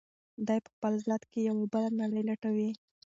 دی په خپل ذات کې یوه بله نړۍ لټوي.